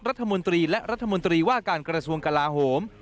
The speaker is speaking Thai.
รัฐมนตรีและรัฐมนตรีว่าการกระทรวงกลาโหม